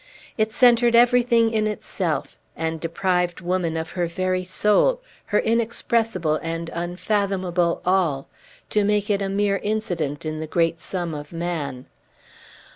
It centred everything in itself, and deprived woman of her very soul, her inexpressible and unfathomable all, to make it a mere incident in the great sum of man.